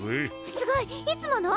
すごい！いつもの？